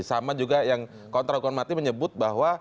sama juga yang kontra hukuman mati menyebut bahwa